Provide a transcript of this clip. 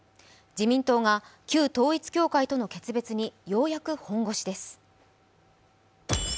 自民党が旧統一教会との決別にようやく本腰です。